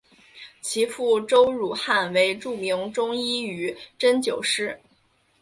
其父周汝汉为著名中医与针灸师。